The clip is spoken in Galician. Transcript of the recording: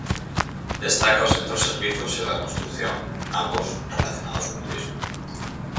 Destaca o sector servizos e o da construción, ambos relacionados co turismo.